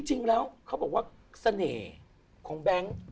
จริงแล้วเขาบอกว่าเสน่ห์ของแบงค์